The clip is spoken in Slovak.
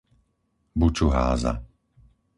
Bučuháza